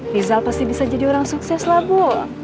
rizal pasti bisa jadi orang sukses lah bu